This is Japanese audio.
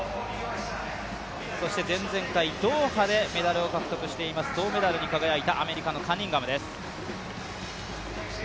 前々回ドーハでメダルを獲得しています、銅メダルに輝いたアメリカのカニンガムです。